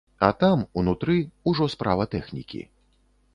А там, унутры, ужо справа тэхнікі.